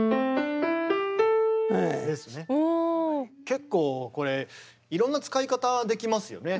結構これいろんな使い方できますよね。